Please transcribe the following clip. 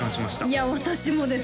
いや私もです